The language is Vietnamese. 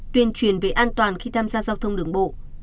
tuyên truyền về an toàn khi tham gia giao thông đường bộ